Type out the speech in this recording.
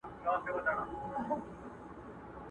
زما دي قسم په ذواجلال وي،